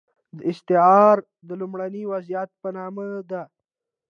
دا استعاره د لومړني وضعیت په نامه ده.